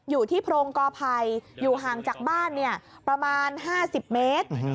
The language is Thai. โพรงกอภัยอยู่ห่างจากบ้านประมาณ๕๐เมตร